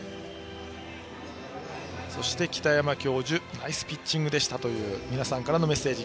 そして北山教授ナイスピッチングでした！という皆さんからのメッセージ。